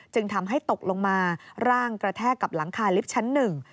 จึงทำให้ตกลงมาร่างกระแทกับหลังคาลิฟต์ชั้น๑